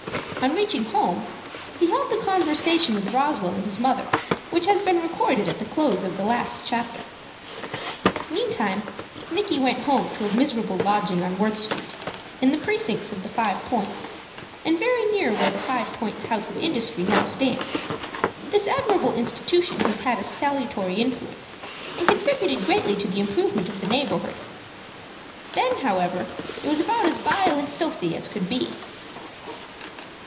On reaching home he held the conversation with Roswell and his mother which has been recorded at the close of the last chapter. Meantime Micky went home to a miserable lodging on Worth Street, in the precincts of the Five Points, and very near where the Five Points House of Industry now stands. This admirable institution has had a salutary influence, and contributed greatly to the improvement of the neighborhood. Then, however, it was about as vile and filthy as could well be.